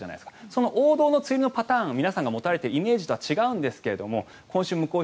その王道の梅雨入りパターン皆さんが持たれているイメージと違うんですが今週も向こう